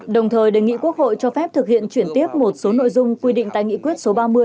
đồng thời đề nghị quốc hội cho phép thực hiện chuyển tiếp một số nội dung quy định tại nghị quyết số ba mươi